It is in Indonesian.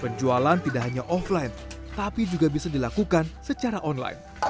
penjualan tidak hanya offline tapi juga bisa dilakukan secara online